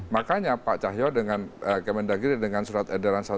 makanya pak cahyo dengan kemen dagiri dengan surat edaran sembilan ratus tiga